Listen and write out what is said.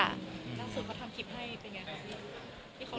แล้วส่วนเขาทำคลิปให้เป็นยังไงครับ